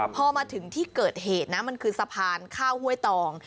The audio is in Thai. พอมาถึงที่เกิดเหตุนะมันคือสะพานข้าวห้วยตอง